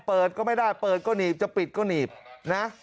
เปิดก็ไม่ได้เปิดก็หนีบจะปิดก็หนีบนะ